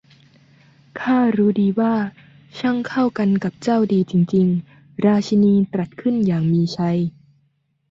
'ข้ารู้ดีว่า ช่างเข้ากันกับเจ้าดีจริง ๆ ! ' ราชินีตรัสขึ้นอย่างมีชัย